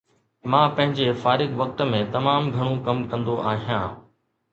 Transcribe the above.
مان پنهنجي فارغ وقت ۾ تمام گهڻو ڪم ڪندو آهيان